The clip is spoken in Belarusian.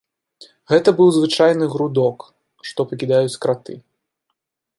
Гэта быў звычайны грудок, што пакідаюць краты.